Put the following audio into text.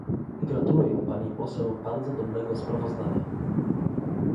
Gratuluję pani poseł bardzo dobrego sprawozdania